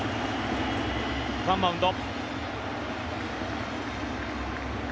ワンバウンド。